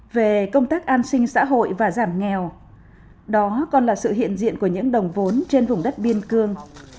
về công tác an sinh xã hội và giảm nghèo đó còn là sự hiện diện của những đồng vốn trên vùng đất biên cương